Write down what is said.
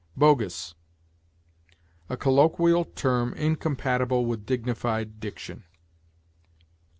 BOGUS. A colloquial term incompatible with dignified diction.